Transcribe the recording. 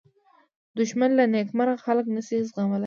دښمن له نېکمرغه خلک نه شي زغملی